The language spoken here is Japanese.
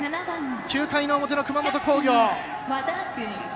９回の表の熊本工業。